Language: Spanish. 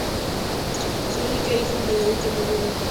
Su única hija, Margarita, murió en la infancia.